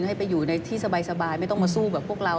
ให้ไปอยู่ในที่สบายไม่ต้องมาสู้กับพวกเรา